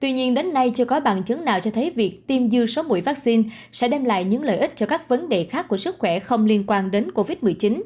tuy nhiên đến nay chưa có bằng chứng nào cho thấy việc tiêm dư số mũi vaccine sẽ đem lại những lợi ích cho các vấn đề khác của sức khỏe không liên quan đến covid một mươi chín